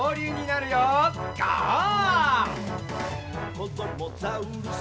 「こどもザウルス